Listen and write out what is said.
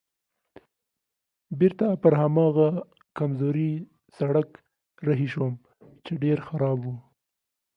بېرته پر هماغه کمزوري سړک رهي شوم چې ډېر خراب و.